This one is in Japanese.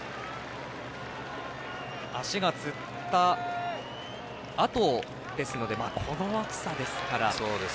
足がつったあとですのでこの暑さですから。